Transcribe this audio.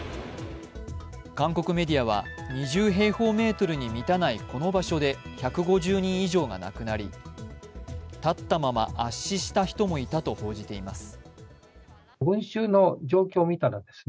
韓国メディアは２０平方メートルに満たないこの場所で１５０人以上が亡くなり立ったまま圧死した人もいたと報じています。